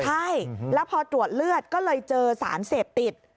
ใช่แล้วพอตรวจเลือดก็เลยเจอสารเสพติด